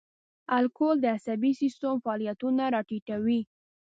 الکول د عصبي سیستم فعالیتونه را ټیټوي.